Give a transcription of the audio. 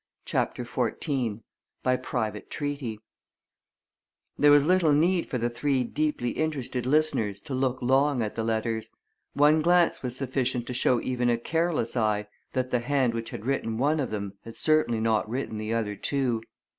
CHAPTER XIV BY PRIVATE TREATY There was little need for the three deeply interested listeners to look long at the letters one glance was sufficient to show even a careless eye that the hand which had written one of them had certainly not written the other two.